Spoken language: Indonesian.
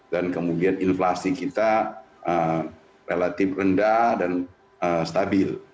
dan kemudian inflasi kita relatif rendah dan stabil